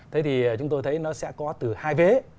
thế thì chúng tôi thấy nó sẽ có từ hai vế